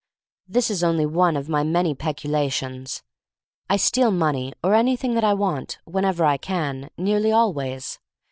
This is only one of my many pecula tions. I steal money, or anything that I want, whenever I can, nearly always.